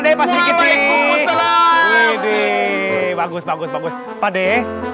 dek pak srikiti bagus bagus pak dek